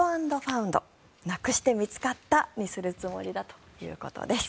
なくして見つかったにするつもりだということです。